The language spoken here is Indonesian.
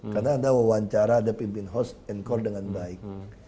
karena anda wawancara ada pimpin host encore dengan baik